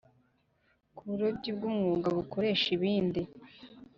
Ku burobyi bw umwuga bukoresha ibindi